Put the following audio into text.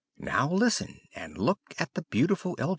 Now listen, and look at the beautiful Elderbush.